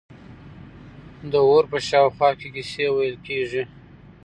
د اور په شاوخوا کې کیسې ویل کیږي.